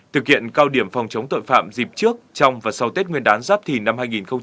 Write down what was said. thực hiện cao điểm phòng chống tội phạm dịp trước trong và sau tết nguyên đán giáp thìn năm hai nghìn hai mươi bốn